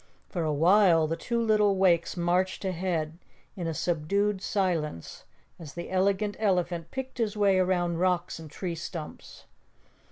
For a while the two little Wakes marched ahead in a subdued silence as the Elegant Elephant picked his way around rocks and tree stumps.